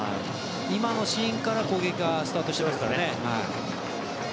今のシーンから攻撃がスタートしてますからね。